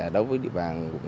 đối với địa bàn